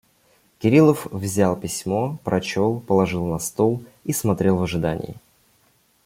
Кириллов взял письмо, прочел, положил на стол и смотрел в ожидании.